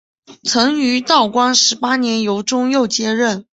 曾于道光十八年由中佑接任。